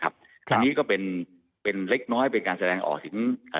อันนี้ก็เป็นเล็กน้อยเป็นการแสดงออกถึง